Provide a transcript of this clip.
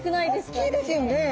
おっきいですよね。